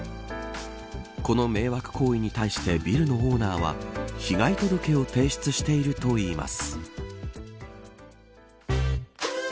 この迷惑行為に対してビルのオーナーは被害届を提出しているといいます。